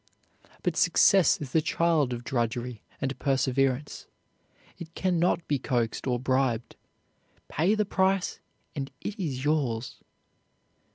But success is the child of drudgery and perseverance. It can not be coaxed or bribed; pay the price and it is yours.